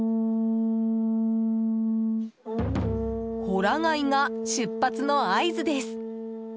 ほら貝が出発の合図です。